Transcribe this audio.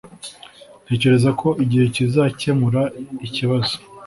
Ntekereza ko igihe kizakemura ikibazo.